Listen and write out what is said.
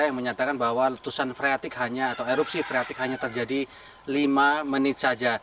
yang menyatakan bahwa letusan freatik hanya atau erupsi freatik hanya terjadi lima menit saja